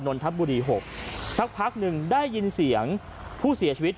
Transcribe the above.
นนทบุรีหกสักพักหนึ่งได้ยินเสียงผู้เสียชีวิต